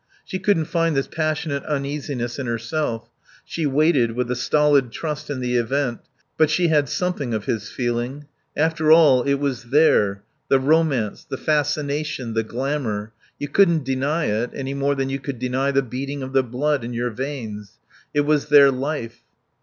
She couldn't find this passionate uneasiness in herself; she waited with a stolid trust in the event; but she had something of his feeling. After all, it was there, the romance, the fascination, the glamour; you couldn't deny it any more than you could deny the beating of the blood in your veins. It was their life.